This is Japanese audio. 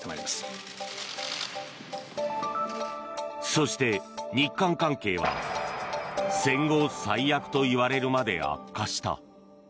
そして、日韓関係は戦後最悪といわれるまで悪化した。